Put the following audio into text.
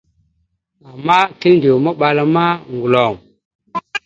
Ama kiləndew maɓala ma, ŋgəlom.